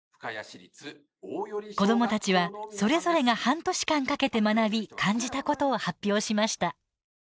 子どもたちはそれぞれが半年間かけて学び感じたことを発表しました。